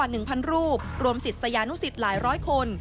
เมื่อกว่า๑๐๐๐รูปรวมสิทธิ์สยานุสิทธิ์หลายร้อยคน